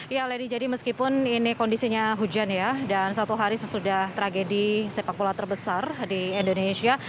ya lady jadi meskipun ini kondisinya hujan ya dan satu hari sesudah tragedi sepak bola terbesar di indonesia